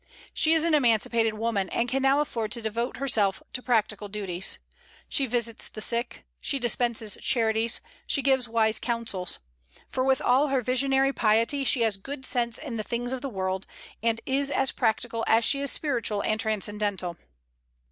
She is an emancipated woman, and can now afford to devote herself to practical duties. She visits the sick, she dispenses charities, she gives wise counsels; for with all her visionary piety she has good sense in the things of the world, and is as practical as she is spiritual and transcendental.